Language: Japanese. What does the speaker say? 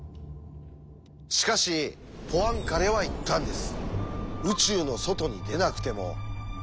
しかしポアンカレは言ったんです。